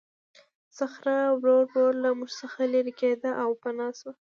صخره ورو ورو له موږ څخه لیرې کېده او پناه شوه.